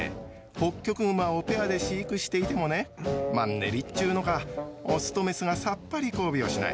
ホッキョクグマをペアで飼育していてもねマンネリっちゅうのか、オスとメスがさっぱり交尾をしない。